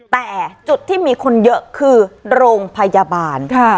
แต่จุดที่มีคนเยอะคือโรงพยาบาล